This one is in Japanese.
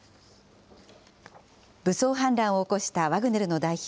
武装反乱を起こしたワグネルの代表